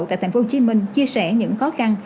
tại tp hcm chia sẻ những khó khăn